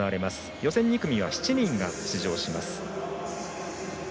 予選２組は７人が出場します。